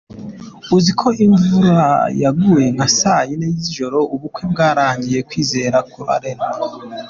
Uzi ko imvura yaguye nka saa yine z’ijoro ubukwe bwarangiye? Kwizera kurarema.